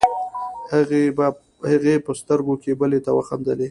هغې په سترګو کې بلې ته وخندلې.